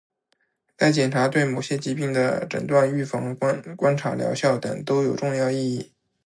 该检查对某些疾病的诊断、预防、观察疗效等都有重要意义